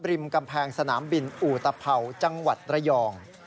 ริมกำแพงสนามบินอุตภัวจังหวัดระยอง